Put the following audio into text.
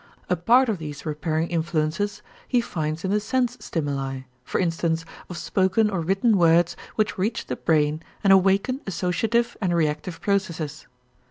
A part of these repairing influences he finds in the sense stimuli, for instance, of spoken or written words which reach the brain and awaken associative and reactive processes.